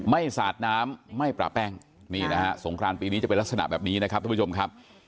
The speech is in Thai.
สาดน้ำไม่ประแป้งนี่นะฮะสงครานปีนี้จะเป็นลักษณะแบบนี้นะครับทุกผู้ชมครับ